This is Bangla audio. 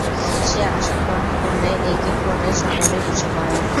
সে আসন গ্রহণ করলে এক এক করে সকলেই বসে পড়ে।